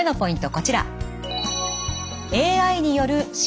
こちら。